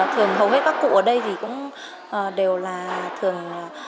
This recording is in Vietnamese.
thường hầu hết các cụ ở đây thì cũng đều là thường